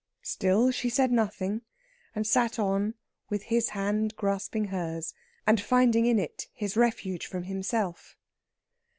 Still, she said nothing, and sat on with his hand grasping hers and finding in it his refuge from himself.